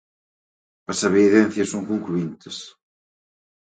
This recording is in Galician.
As evidencias son concluíntes.